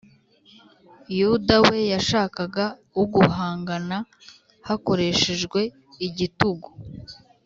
yuda we yashakaga uguhangana hakoreshejwe igitugu